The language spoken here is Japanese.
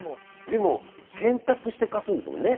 でも洗濯して貸すんですもんね。